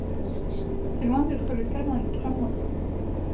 C'était loin d'être le cas dans les tramways.